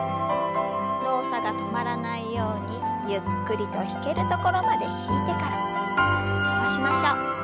動作が止まらないようにゆっくりと引けるところまで引いてから伸ばしましょう。